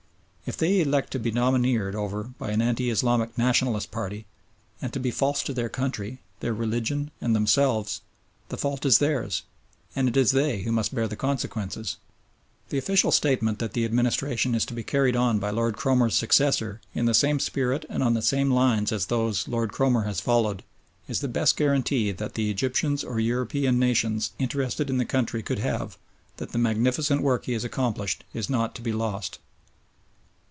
If they elect to be domineered over by the Anti Islamic "Nationalist" party, and to be false to their country, their religion, and themselves, the fault is theirs, and it is they who must bear the consequences. The official statement that the administration is to be carried on by Lord Cromer's successor in the same spirit and on the same lines as those Lord Cromer has followed is the best guarantee that the Egyptians or European nations interested in the country could have that the magnificent work he has accomplished is not to be lost.